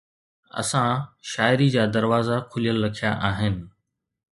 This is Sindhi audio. اسان شاعري جا دروازا کليل رکيا آهن